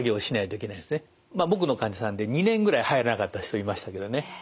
僕の患者さんで２年ぐらい入らなかった人いましたけどね。